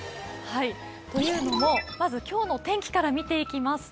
というのも、まず今日の天気を見ていきます。